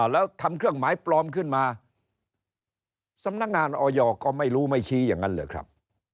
แล้วทำเครื่องหมายปลอมขึ้นมาสำนักงานออยก็ไม่รู้ไม่ชี้อย่างนั้นเหรอครับ